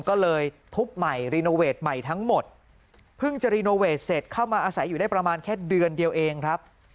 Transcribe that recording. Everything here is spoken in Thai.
ก็เลยทุบใหม่รีโนเวทใหม่ทั้งหมดเพิ่งจะรีโนเวทเสร็จเข้ามาอาศัยอยู่ได้ประมาณแค่เดือนเดียวเองครับ